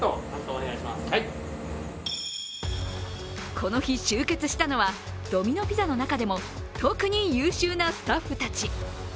この日集結したのはドミノ・ピザの中でも特に優秀なスタッフたち。